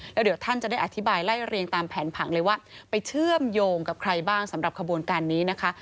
แล้วเดี๋ยวท่านจะได้อธิบายไล่เรียงตามแผนผังเลยว่าไปเชื่อมโยงกับใครบ้างสำหรับขบวนการนี้นะคะ